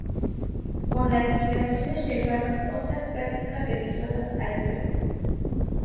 Con las migraciones llegaron otras prácticas religiosas al Perú.